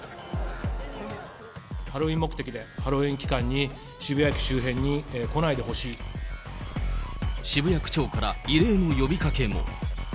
ハロウィーン目的で、ハロウィーン期間に、渋谷区長から異例の呼びかけも。